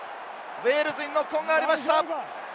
ウェールズにノックオンがありました。